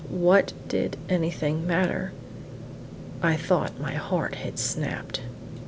What did anything matter I thought my heart had snapped!